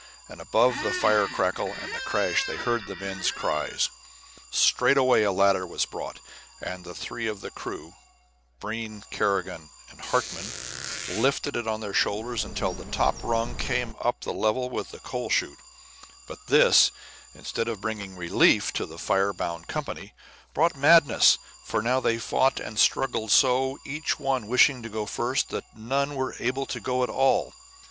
And above the fire crackle and the crash of water they heard men's cries. Straightway a ladder was brought, and three of the crew, Breen, Kerrigan, and Hartmann, lifted it on their shoulders until the top rung came up level with the coal chute. But this, instead of bringing relief to the fire bound company, brought madness; for now they fought and struggled so, each one wishing to go first, that none were able to go at all.